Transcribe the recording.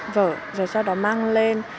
vở rồi sau đó mang lên